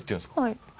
はい。